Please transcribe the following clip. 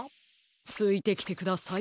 ついてきてください。